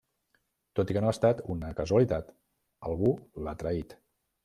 Tot i que no ha estat una casualitat: algú l'ha traït.